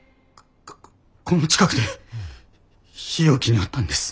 この近くで日置に会ったんです。